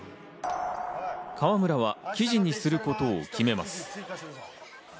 河村は記事にすることを決めます。